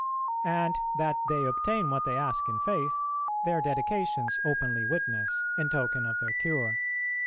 And that they obtain what they ask in faith, their dedications openly witness, in token of their cure.